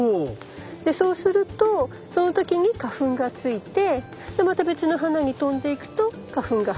でそうするとその時に花粉がついてまた別の花に飛んでいくと花粉が運ばれる。